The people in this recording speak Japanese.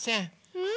うん？